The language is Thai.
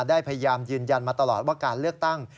ได้พยายามยืนยันมาตลอดว่าการเลือกตั้ง